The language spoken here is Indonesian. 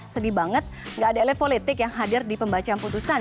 sedih banget gak ada elit politik yang hadir di pembacaan putusan